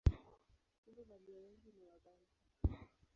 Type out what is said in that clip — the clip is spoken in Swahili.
Kumbe walio wengi ni Wabantu.